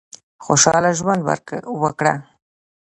خوشاله ژوند وکړه.